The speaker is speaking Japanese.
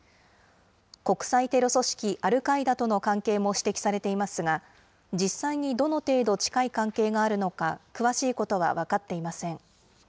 国際テロ組織アルカイダとの関係も指摘されていますが、実際にどの程度近い関係があるのか、詳しいことは分かっていません。